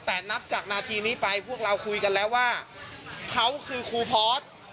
แต่นับจากนาทีนี้ไปพวกเราคุยกันแล้วว่าเขาคือครูพอร์ต